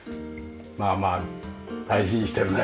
まあまあ大事にしてるね。